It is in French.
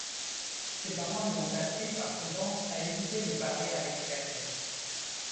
Ses parents lui ont appris, par prudence, à éviter de parler à l'extérieur.